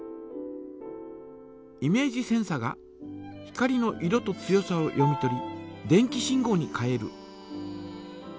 イメージセンサが光の色と強さを読み取り電気信号に変える。